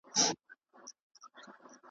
د جانان د کوڅې لوری مو قبله ده .